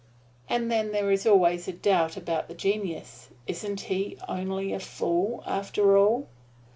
And then there is always a doubt about the genius isn't he only a fool after all!